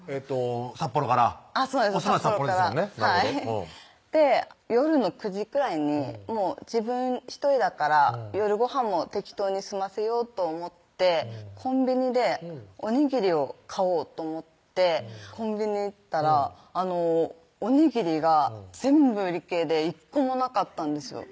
札幌からそうです札幌からで夜の９時くらいに自分１人だから夜ごはんも適当に済ませようと思ってコンビニでおにぎりを買おうと思ってコンビニ行ったらおにぎりが全部売り切れで１個もなかったんですよ